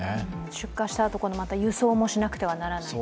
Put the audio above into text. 出荷したあと輸送もしなくてはならないと。